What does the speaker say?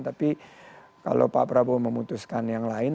tapi kalau pak prabowo memutuskan yang lain